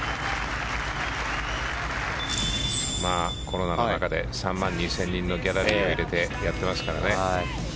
コロナの中で３万２０００人のギャラリーを入れてやってますからね。